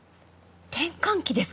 転換期ですか！？